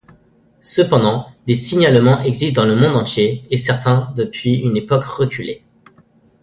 Cependant des signalements existent dans le monde entier et certains depuis une époque reculée.